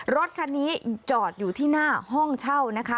รถคันนี้จอดอยู่ที่หน้าห้องเช่านะคะ